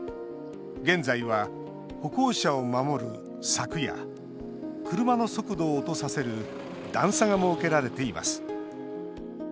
現在は歩行者を守る柵や車の速度を落とさせる段差が設けられています。